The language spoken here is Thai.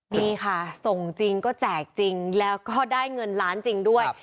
นี่ค่ะส่งจริงก็แจกจริงแล้วก็ได้เงินล้านจริงด้วย